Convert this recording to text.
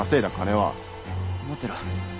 待ってろ。